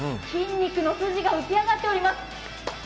筋肉の筋が浮かび上がっております。